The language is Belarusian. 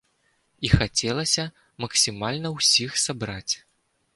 І хацелася максімальна ўсіх сабраць.